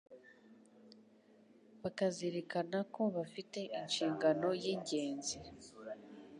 bakazirikana ko bafite inshingano y’ingenzi